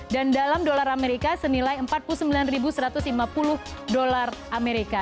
dan dalam dolar amerika senilai empat puluh sembilan satu ratus lima puluh dolar amerika